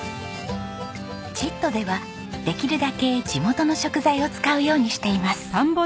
ちっとではできるだけ地元の食材を使うようにしています。